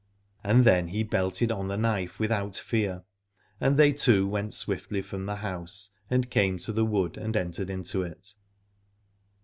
And then he belted on the knife without fear, and they two went swiftly from the house and came to the wood and entered into it.